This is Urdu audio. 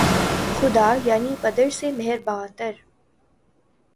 خدا‘ یعنی پدر سے مہرباں تر